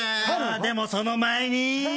でもその前に。